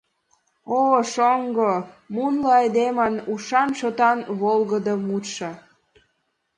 О, шоҥго мунло айдемын ушан-шотан волгыдо мутшо!